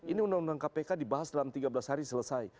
ini undang undang kpk dibahas dalam tiga belas hari selesai